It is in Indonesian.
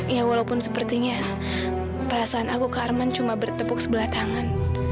ya walaupun sepertinya perasaan aku ke arman cuma bertepuk sebelah tangan